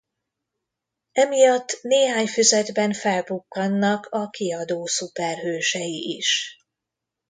Emiatt néhány füzetben felbukkannak a kiadó szuperhősei is.